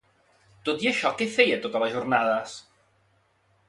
Tot i això, què feia totes les jornades?